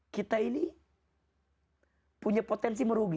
kita ini punya potensi merugi